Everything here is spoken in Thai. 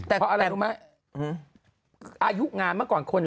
อายุงานเมื่อก่อนคุณนะ